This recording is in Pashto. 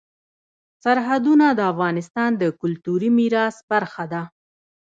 سرحدونه د افغانستان د کلتوري میراث برخه ده.